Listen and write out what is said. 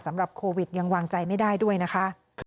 สำหรับโควิดยังวางใจไม่ได้ด้วยนะคะ